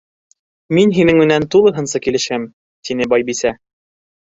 —Мин һинең менән тулыһынса килешәм, —тине Байбисә.